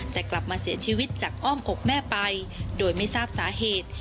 แต่กลับมาเสียชีวิตจากอ้อมอกแม่ไปโดยไม่ทราบสาเหตุ